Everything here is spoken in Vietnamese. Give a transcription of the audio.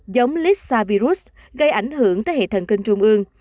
giống lysa virus gây ảnh hưởng tới hệ thần kinh trung ương